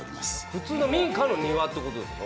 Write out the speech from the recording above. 普通の民家の庭ってことですか？